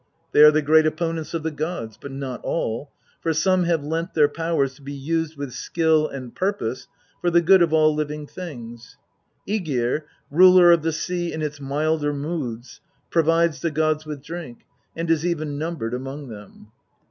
They are the great opponents of the gods, but not all, for some have lent their powers to be used with skill and purpose for the good of all living things, ^gir, ruler of the sea in its milder moods, provides the gods with drink, and is even numbered among them.